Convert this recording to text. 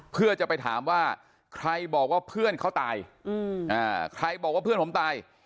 เพื่อจะไปถามว่าใครบอกว่าเพื่อนเขาตายใครบอกว่าเพื่อนผมตาย